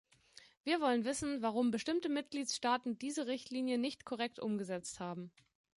Wir wollen wissen, warum bestimmte Mitgliedstaaten diese Richtlinien nicht korrekt umgesetzt haben.